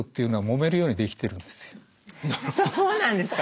そうなんですか？